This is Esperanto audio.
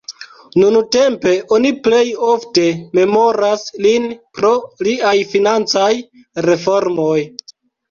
Nuntempe oni plej ofte memoras lin pro liaj financaj reformoj.